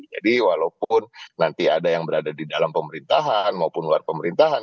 jadi walaupun nanti ada yang berada di dalam pemerintahan maupun luar pemerintahan